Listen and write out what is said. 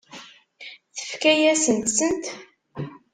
Tefka-yasent-tent?